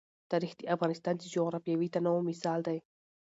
تاریخ د افغانستان د جغرافیوي تنوع مثال دی.